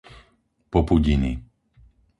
Popudiny